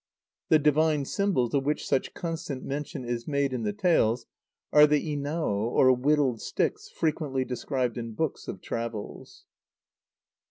The "divine symbols," of which such constant mention is made in the tales, are the inao or whittled sticks frequently described in books of travels.